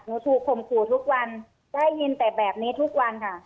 ถูกข่มขู่ทุกวันได้ยินแต่แบบนี้ทุกวันค่ะ